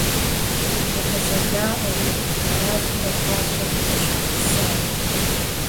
УкъызэдэӀуакъым, аращ пхуэфащэ къыщӀыплъысар.